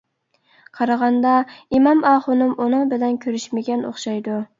قارىغاندا ئىمام ئاخۇنۇم ئۇنىڭ بىلەن كۆرۈشمىگەن ئوخشايدۇ.